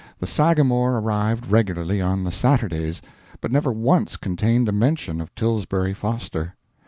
The _Sagamore _arrived regularly on the Saturdays, but never once contained a mention of Tilbury Foster.